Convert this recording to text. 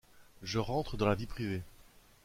Je rentre dans la vie privée.